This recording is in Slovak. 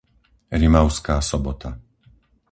Rimavská Sobota